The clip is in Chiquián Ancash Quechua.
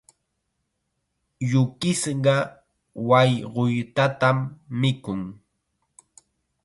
Yukisqa wayquytatam mikun.